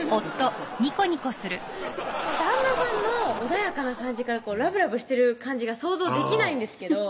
旦那さんの穏やかな感じからラブラブしてる感じが想像できないんですけど